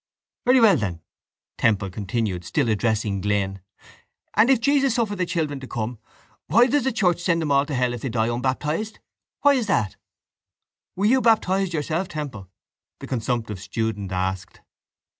—Very well, then, Temple continued, still addressing Glynn, and if Jesus suffered the children to come why does the church send them all to hell if they die unbaptised? Why is that? —Were you baptised yourself, Temple? the consumptive student asked.